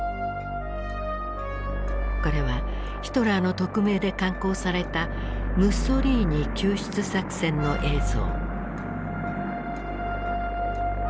これはヒトラーの特命で敢行されたムッソリーニ救出作戦の映像。